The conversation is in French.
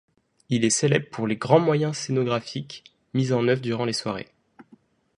Il est célèbre pour les grands moyens scénographiques mis en œuvre durant les soirées.